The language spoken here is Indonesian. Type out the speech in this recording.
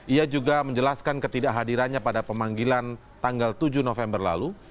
ia juga menjelaskan ketidakhadirannya pada pemanggilan tanggal tujuh november lalu